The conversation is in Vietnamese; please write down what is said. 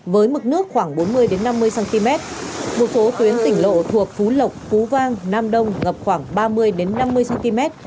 với mực nước khoảng bốn mươi năm mươi cm một số tuyến tỉnh lộ thuộc phú lộc phú vang nam đông ngập khoảng ba mươi năm mươi cm